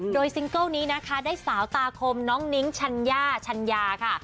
โดยซิงเกิลนี้นะคะได้สาวตาคมน้องนิ้งชัญญาชัญญาค่ะ